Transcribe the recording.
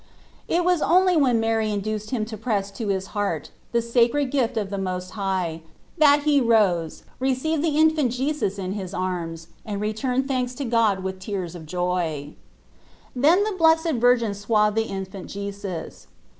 It was only when Mary had induced him to press to his heart the sacred gift of the Most High, that he rose, received the Infant Jesus in his arms, and returned thanks to God with tears of joy. Then the Blessed Virgin swathed the Infant Jesus.